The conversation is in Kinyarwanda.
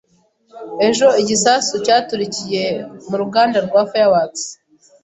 Ejo, igisasu cyaturikiye mu ruganda rwa fireworks